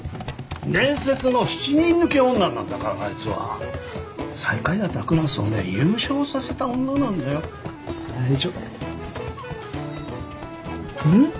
伝説の７人抜き女なんだからあいつは最下位だったクラスをね優勝させた女なんだよ大丈夫ん？